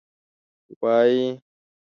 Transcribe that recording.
وایي.